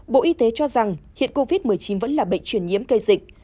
bộ y tế cho rằng hiện covid một mươi chín vẫn là bệnh truyền nhiễm cây dịch